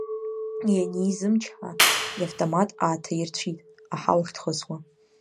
Ианизмчҳа иавтомат ааҭаирцәит, аҳауахь дхысуа…